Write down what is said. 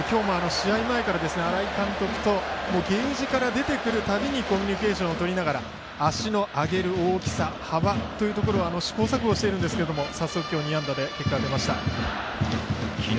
今日も試合前から新井監督とゲージから出てくるたびにコミュニケーションをとりながら足の上げる大きさ幅というところ試行錯誤しているんですが早速今日２安打で結果が出ました。